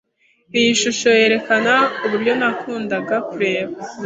Iyi shusho yerekana uburyo nakundaga kureba.